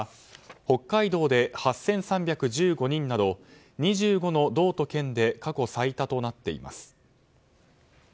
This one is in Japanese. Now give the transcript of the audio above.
北海道で８３１５人など２５の道と県で過去最多となっています。